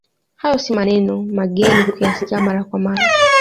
Hayo sio maneno mageni kuyasikia mara kwa mara